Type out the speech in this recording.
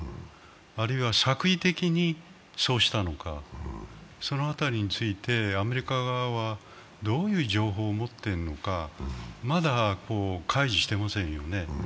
あるいは作為的にそうしたのか、その辺りについてアメリカ側はどういう情報を持っているのか、まだ開示していませんよね。